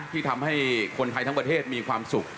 ที่ทำให้คนไทยทั้งประเทศมีความสุข